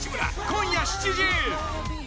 今夜７時。